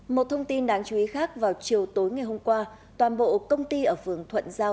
một thông tin đáng chú ý khác vào chiều tối ngày hôm qua toàn bộ công ty ở phường thuận giao